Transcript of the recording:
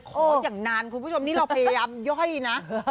อย่างนานคุณผู้ชมนี่เราพยายามย่อยนะ